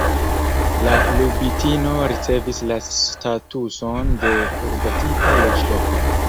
La Lubitino ricevis la statuson de urbotipa loĝloko.